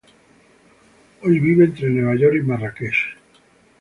Hoy vive entre Nueva York y Marrakech.